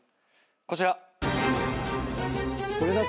こちら！